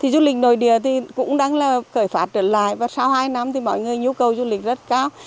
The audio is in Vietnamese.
du lịch nội địa cũng đang là khởi phát trở lại và sau hai năm mọi người nhu cầu du lịch rất cao